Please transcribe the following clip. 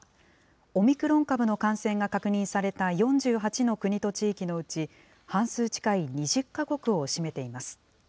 オミクロン株の感染が確認された４８の国と地域のうち、半数近い２０か国を占めています。